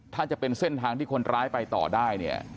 ถ้าจะเป็นเส้นทางที่คนร้ายไปต่อได้เนี่ย